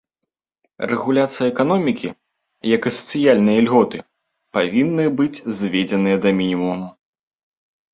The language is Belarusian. Рэгуляцыя эканомікі, як і сацыяльныя ільготы павінны быць зведзеныя да мінімуму.